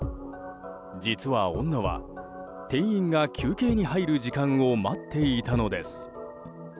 実は、女は店員が休憩に入る時間を待っていたのです。